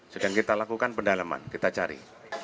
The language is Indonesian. sedang kita lakukan pendalaman kita cari